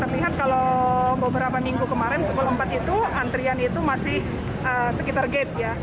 terlihat kalau beberapa minggu kemarin pukul empat itu antrian itu masih sekitar gate ya